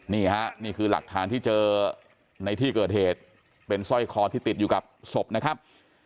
นี่ฮะนี่คือหลักฐานที่เจอในที่เกิดเหตุเป็นสร้อยคอที่ติดอยู่กับศพนะครับ